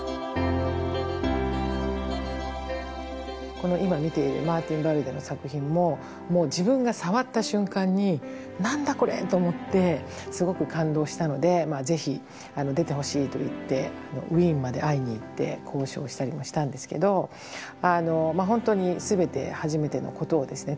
この今見ているマルティン・ヴァルデの作品ももう自分が触った瞬間に「何だこれ！？」と思ってすごく感動したのでぜひ出てほしいと言ってウィーンまで会いに行って交渉したりもしたんですけど本当に全て初めてのことをですね